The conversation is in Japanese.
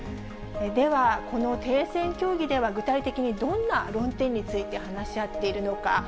では、この停戦協議では、具体的にどんな論点について話し合っているのか。